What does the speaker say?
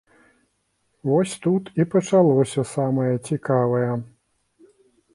Вось тут і пачалося самае цікавае!